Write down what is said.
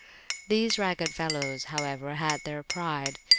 These ragged fellows, however, had their pride.